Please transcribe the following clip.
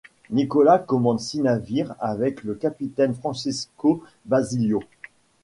Nicolás commande six navires avec le capitaine Francisco Basilio.